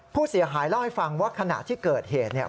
ผู้เสียหายเล่าให้ฟังว่าขณะที่เกิดเหตุเนี่ย